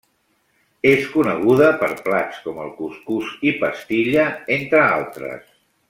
És coneguda per plats com el cuscús i pastilla, entre altres.